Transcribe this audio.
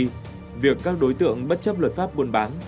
vì việc các đối tượng bất chấp luật pháp buôn bán